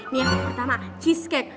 nih yang pertama cheesecake